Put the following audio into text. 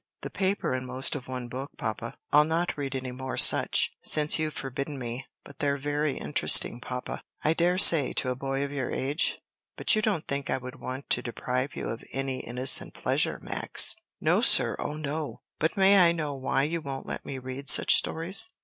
"The paper and most of one book, papa. I'll not read any more such, since you've forbidden me; but they're very interesting, papa." "I dare say, to a boy of your age. But you don't think I would want to deprive you of any innocent pleasure, Max?" "No, sir; oh, no! But may I know why you won't let me read such stories?"